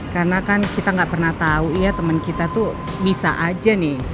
karena kan kita gak pernah tahu ya teman kita tuh bisa aja nih